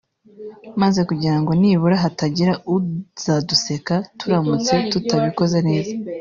maze kugira ngo nibura hatagira uzaduseka turamutse tutabikoze neza